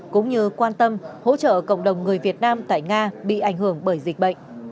cũng như quan tâm hỗ trợ cộng đồng người việt nam tại nga bị ảnh hưởng bởi dịch bệnh